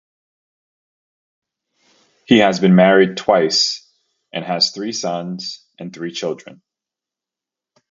He has been married twice, and has three sons and three grandchildren.